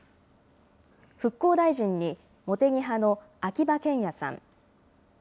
復興大臣に茂木派の秋葉賢也さん。